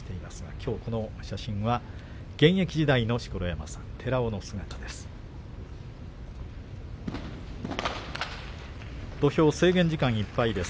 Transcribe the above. きょう、この写真は現役時代の錣山さん寺尾の姿です。